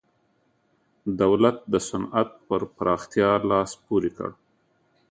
دولت د صنعت پر پراختیا لاس پورې کړ.